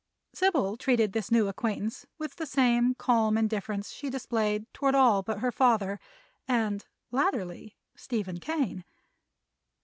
Sybil treated this new acquaintance with the same calm indifference she displayed toward all but her father and, latterly, Stephen Kane.